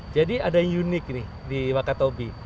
jadi ada yang unik nih di wakatobi